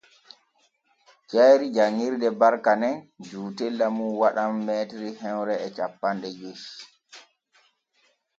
Jayri janŋirde Barka nen juutella mum waɗan m hemre e cappanɗe joy.